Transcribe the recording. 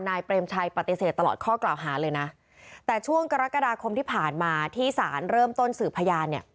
เปรมชัยปฏิเสธตลอดข้อกล่าวหาเลยนะแต่ช่วงกรกฎาคมที่ผ่านมาที่สารเริ่มต้นสืบพยานเนี่ย